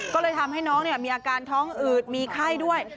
ก็เลยทำให้น้องมีอาการท้องอืดมีไข้ด้วย